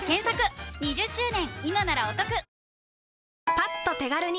パッと手軽に！